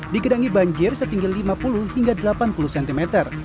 digedangi banjir setinggi lima puluh hingga delapan puluh cm